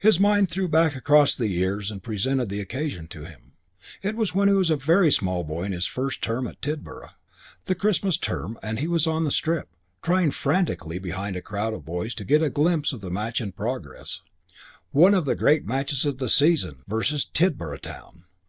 His mind threw back across the years and presented the occasion to him. It was when he was a very small boy in his first term at Tidborough. The Christmas term and he was on the Strip, trying frantically behind a crowd of boys to get a glimpse of the match in progress, one of the great matches of the season, vs. Tidborough Town.